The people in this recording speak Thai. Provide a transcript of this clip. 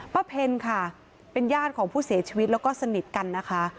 เพลค่ะเป็นญาติของผู้เสียชีวิตแล้วก็สนิทกันนะคะ